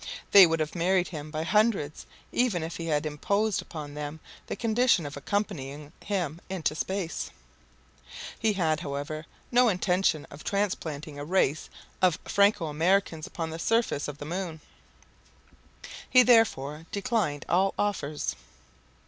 They would have married him by hundreds, even if he had imposed upon them the condition of accompanying him into space. He had, however, no intention of transplanting a race of Franco Americans upon the surface of the moon. He therefore declined all offers.